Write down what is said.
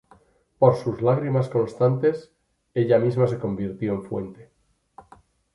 Por sus lágrimas constantes, ella misma se convirtió en fuente.